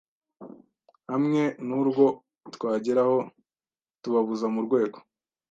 hamwe n’urwo twageraho tubabuza mu rwego